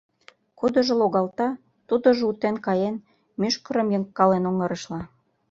Кудыжо логалта, тудыжо утен каен, мӱшкырым йыгкален оҥырешла.